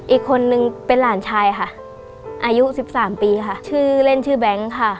อีกคนนึงเป็นหลานชายค่ะอายุสิบสามปีค่ะชื่อเล่นชื่อแบงค์ค่ะ